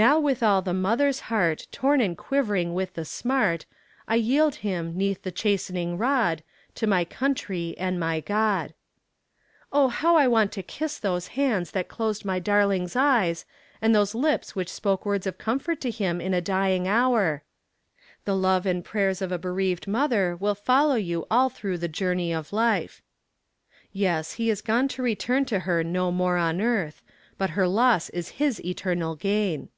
Now with all the mother's heart Torn and quivering with the smart, I yield him, 'neath the chastening rod, To my country and my God. "Oh, how I want to kiss those hands that closed my darling's eyes, and those lips which spoke words of comfort to him in a dying hour. The love and prayers of a bereaved mother will follow you all through the journey of life." Yes, he is gone to return to her no more on earth, but her loss is his eternal gain.